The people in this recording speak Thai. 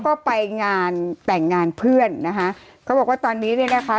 ก็ไปงานแต่งงานเพื่อนนะคะเขาบอกว่าตอนนี้เนี่ยนะคะ